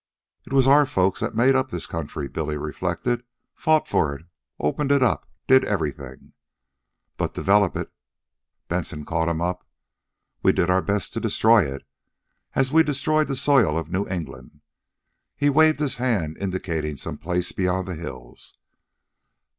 "It was our folks that made this country," Billy reflected. "Fought for it, opened it up, did everything " "But develop it," Benson caught him up. "We did our best to destroy it, as we destroyed the soil of New England." He waved his hand, indicating some place beyond the hills.